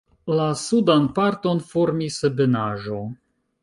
La sudan parton formis ebenaĵo.